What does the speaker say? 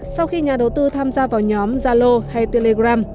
sau khi nhà đầu tư tham gia vào nhóm zalo hay telegram